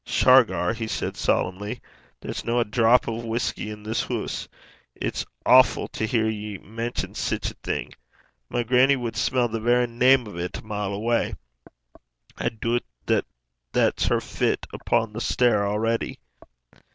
'Shargar,' he said solemnly, 'there's no a drap o' whusky i' this hoose. It's awfu' to hear ye mention sic a thing. My grannie wad smell the verra name o' 't a mile awa'. I doobt that's her fit upo' the stair a'ready.'